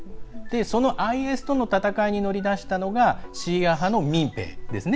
そのＩＳとの戦いに乗り出したのがシーア派の民兵ですね。